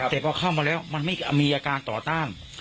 แต่พอเข้ามาแล้วมันไม่มีอาการต่อต้าน